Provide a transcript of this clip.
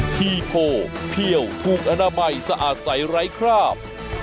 ทีโพเพี่ยวถูกอนามัยสะอาดใสไร้คราบ